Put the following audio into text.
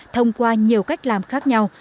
thông qua nhiều cách làm khác nhau